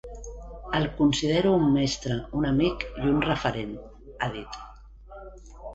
El considero un mestre, un amic i un referent, ha dit.